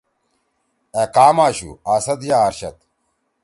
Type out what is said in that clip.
أ کام آشُو؟ اسد یا اارشد؟